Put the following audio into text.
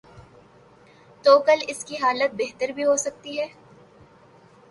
تو کل اس کی حالت بہتر بھی ہو سکتی ہے۔